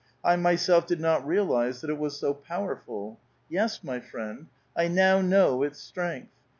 I myself did not realize that it was so powerful. Yes, my friend, 1 now know its strength.